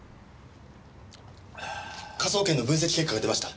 科捜研の分析結果が出ました。